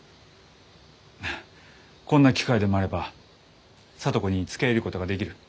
あこんな機会でもあれば聡子につけいることができる。